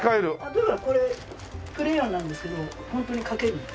例えばこれクレヨンなんですけどホントに描ける。